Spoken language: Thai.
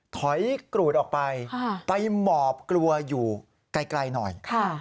กรูดออกไปไปหมอบกลัวอยู่ไกลหน่อย